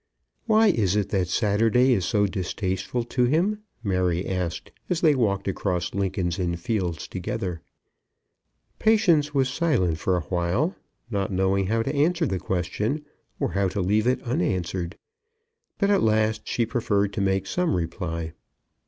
"Why is it that Saturday is so distasteful to him?" Mary asked as they walked across Lincoln's Inn Fields together. Patience was silent for awhile, not knowing how to answer the question, or how to leave it unanswered. But at last she preferred to make some reply.